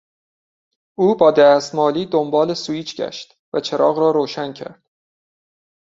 او با دست مالی دنبال سوییچ گشت و چراغ را روشن کرد.